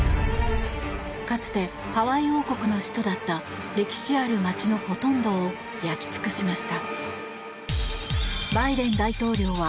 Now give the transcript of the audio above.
かつてハワイ王国の首都だった歴史ある街のほとんどを焼き尽くしました。